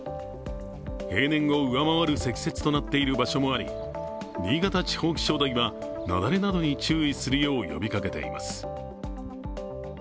平年を上回る積雪となっている場所もあり新潟地方気象台は雪崩などに注意するよう呼びかけています。